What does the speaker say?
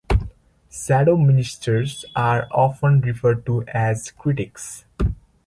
Shadow ministers are often referred to as "critics".